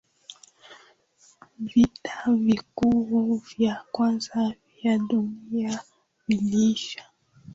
vita vikuu vya kwanza vya dunia viliisha